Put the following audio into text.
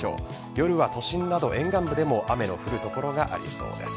夜は都心など沿岸部でも雨の降る所がありそうです。